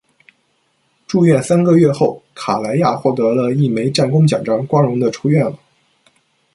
住院三个月后，卡莱娅获得了一枚战功奖章，光荣地出院了。